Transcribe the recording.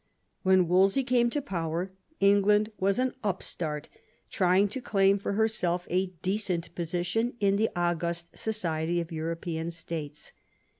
When Wolsey came to power England was an up start trying to claim for herself a decent position in the august society of European states.